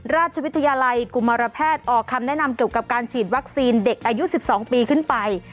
ราชวิทยาลัยกุมารแพทย์ออกคำแนะนำเกี่ยวกับการฉีดวัคซีนเด็กอายุ๑๒ปีขึ้นไป